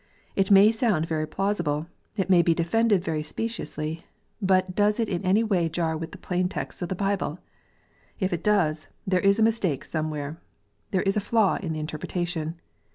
It may sound very plausible. It may be defended very speciously. But does it in any way jar with plain texts in the Bible ? If it does, there is a mistake some where. There is a flaw in the interpretation.